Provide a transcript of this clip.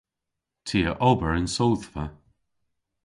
Ty a ober yn sodhva.